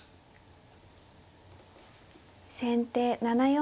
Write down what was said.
先手７四歩。